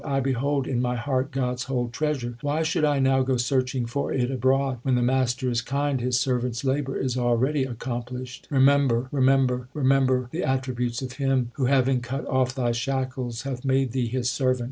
I behold in my heart God s whole treasure ; Why should I now go searching for it abroad ? When the Master is kind, His servant s labour is already accomplished. Remember, remember, remember the attributes of Him, Who having cut off thy shackles hath made thee His servant.